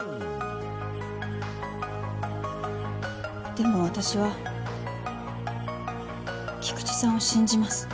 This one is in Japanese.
でもわたしは菊地さんを信じます。